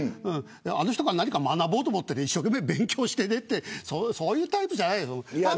あの人が何か学ぼうと思って一生懸命、勉強してねってそういうタイプじゃないでしょ。